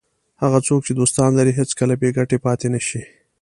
هغه څوک چې دوستان لري هېڅکله بې ګټې پاتې نه شي.